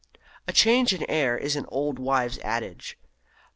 "A change of air" is an old wives' adage.